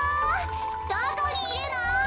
どこにいるの？